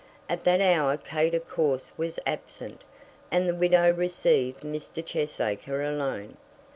At that hour Kate of course was absent, and the widow received Mr. Cheesacre alone.